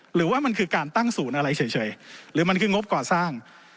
หรือว่ามันคือการตั้งศูนย์อะไรเฉยหรือมันคืองบก่อสร้าง